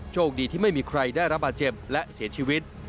โชคดีที่ไม่มีใครได้รับบาดเจ็บและเสียชีวิต